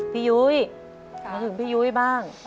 ยุ้ยมาถึงพี่ยุ้ยบ้าง